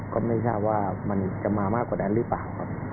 ก็ไม่ทราบว่ามันจะมามากกว่านั้นหรือเปล่าครับ